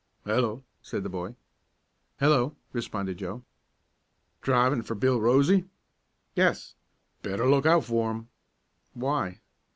"Hello!" said the boy. "Hello!" responded Joe. "Drivin' for Bill Rosey?" "Yes." "Better look out for 'im." "Why?"